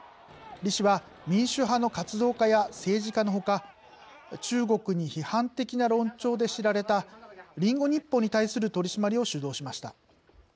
李氏は、民主派の活動家や政治家のほか中国に批判的な論調で知られた「リンゴ日報」に対する取り締まりを主導しました。